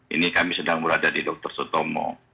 ini kami sedang berada di dr sutomo